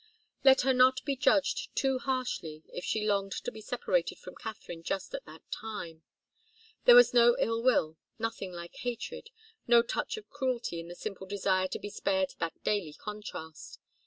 Let her not be judged too harshly, if she longed to be separated from Katharine just at that time. There was no ill will, nothing like hatred, no touch of cruelty in the simple desire to be spared that daily contrast.